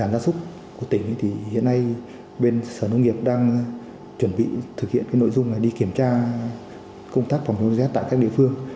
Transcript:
đàn gia súc của tỉnh thì hiện nay bên sở nông nghiệp đang chuẩn bị thực hiện cái nội dung là đi kiểm tra công tác phòng chống dây xét tại các địa phương